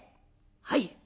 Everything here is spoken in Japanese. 「はい。